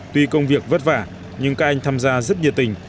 tuy công việc vất vả nhưng các anh tham gia rất nhiệt tình